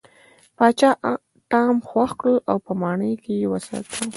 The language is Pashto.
پاچا ټام خوښ کړ او په ماڼۍ کې یې وساته.